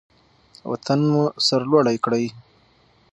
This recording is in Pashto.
وطن مو سرلوړی کړئ.